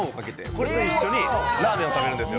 これと一緒にラーメンを食べるんです。